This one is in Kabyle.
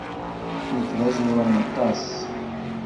Nekk d azuran aṭas.